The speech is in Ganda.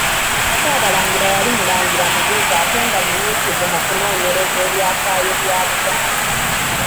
Ssaabalangira yali Mulangira mugezi ate nga munyiikivu mu kunoonyereza ebyafaayo bya Buganda.